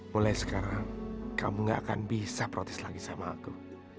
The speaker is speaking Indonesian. mulai sekarang kamu gak akan bisa protes lagi sama aku